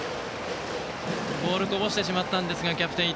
ボールこぼしてしまったんですがキャプテン、